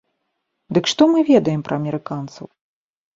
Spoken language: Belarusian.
Дык што мы ведаем пра амерыканцаў?